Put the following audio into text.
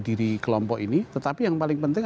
diri kelompok ini tetapi yang paling penting